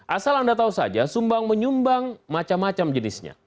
asal anda tahu saja sumbang menyumbang macam macam jenisnya